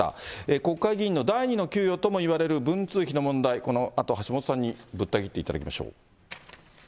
国会議員の第２の給与ともいわれる文通費の問題、このあと橋下さんにぶった切っていただきましょう。